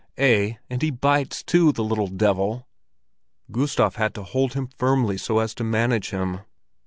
"Eh, and he bites, too, the little devil!" Gustav had to hold him firmly so as to manage him.